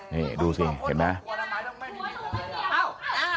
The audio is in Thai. นี่ดูสิเห็นไหม